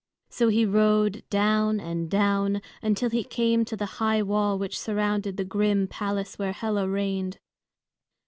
So he rode, down and down, until he came to the high wall which surrounded the grim palace where Hela reigned.